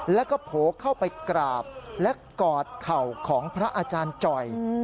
แล้วก็โผล่เข้าไปกราบและกอดเข่าของพระอาจารย์จ่อย